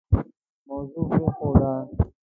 موضوع پرېښوده.